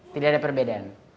tidak ada perbedaan